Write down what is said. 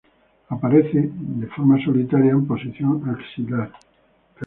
Aparecen de forma solitaria en posición axilar.